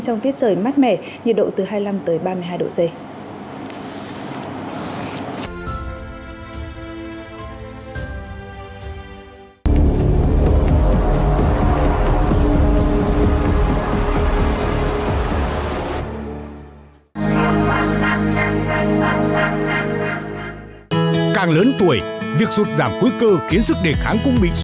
trong tiết trời mát mẻ nhiệt độ từ hai mươi năm tới ba mươi hai độ c